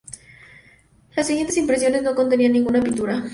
Las siguientes impresiones no contenían ninguna pintura.